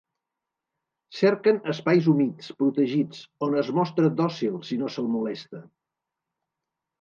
Cerquen espais humits, protegits, on es mostra dòcil, si no se'l molesta.